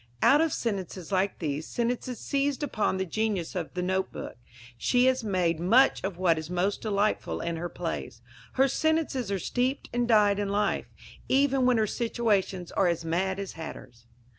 Out of sentences like these sentences seized upon with the genius of the note book she has made much of what is most delightful in her plays. Her sentences are steeped and dyed in life, even when her situations are as mad as hatters.